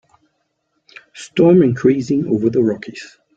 Storm increasing over the Rockies.